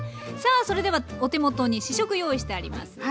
さあそれではお手元に試食用意してあります。